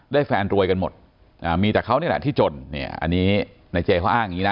แฟนรวยกันหมดอ่ามีแต่เขานี่แหละที่จนเนี่ยอันนี้ในเจเขาอ้างอย่างนี้นะ